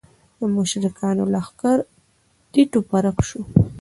د مشرکانو لښکر تیت و پرک شو.